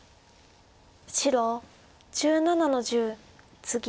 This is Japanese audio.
白１７の十ツギ。